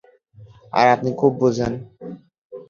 আর আপনি খুব বোঝেন?